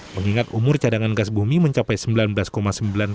mengingat umur cadangan gas bumi mencapai sembilan bulan